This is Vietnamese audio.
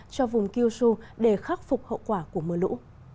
cho vùng kyushu để khắc phục hậu quả của mưa lũ